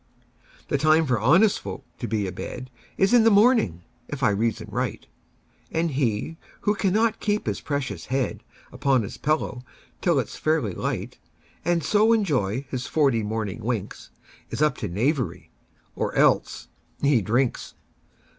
The time for honest folks to be a bedIs in the morning, if I reason right; And he who cannot keep his precious headUpon his pillow till it 's fairly light, And so enjoy his forty morning winks, Is up to knavery; or else—he drinks!